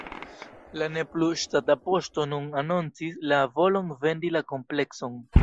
La ne plu ŝtata poŝto nun anoncis la volon vendi la komplekson.